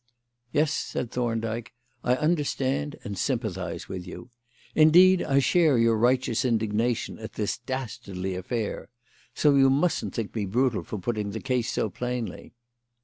"Yes," said Thorndyke; "I understand and sympathise with you. Indeed, I share your righteous indignation at this dastardly affair. So you mustn't think me brutal for putting the case so plainly."